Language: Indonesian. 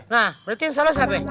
nah berarti yang salah siapa